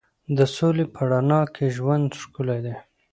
د سولې په رڼا کې ژوند ښکلی دی.